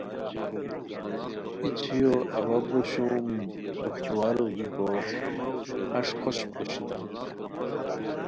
ای چھویو اوا بو شوم بوختوارو گیکو بݰ خوشپ پوشیتام